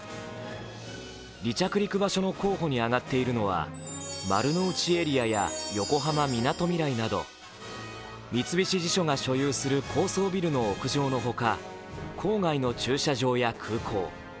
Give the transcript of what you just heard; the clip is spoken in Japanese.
離着陸場所の候補に挙がっているのは丸の内エリアや横浜みなとみらいなど三菱地所が所有する高層ビルの屋上のほか郊外の駐車場や空港。